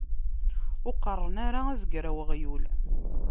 Ur qeṛṛen ara azger ar uɣyul.